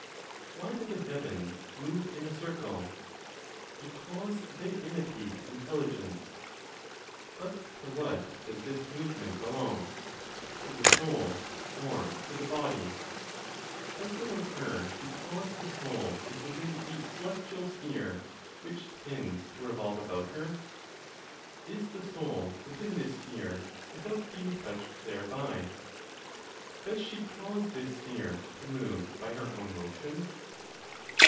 Why do the heavens move in a circle? Because they imitate Intelligence. But to what does this movement belong? To the Soul, or to the body? Does it occur because the Soul is within the celestial sphere, which tends to revolve about her? Is the Soul within this sphere without being touched thereby? Does she cause this sphere to move by her own motion?